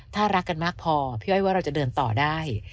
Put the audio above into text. ถ้ารักกันมากพอพี่อ้อยว่าเราจะเดินต่อได้